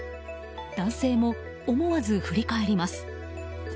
男性も思わず振り返ります。